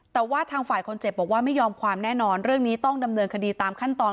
แต่ว่าทางฝ่ายคนเจ็บบอกว่าไม่ยอมความแน่นอนเรื่องนี้ต้องดำเนินคดีตามขั้นตอน